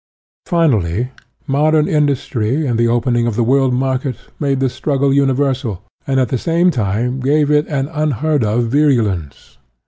Finally, modern industry and the opening of the world market made the struggle uni versal, and at the same time gave it an IIO SOCIALISM unheard of virulence.